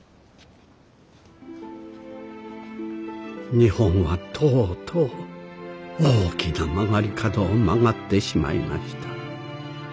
日本はとうとう大きな曲がり角を曲がってしまいました。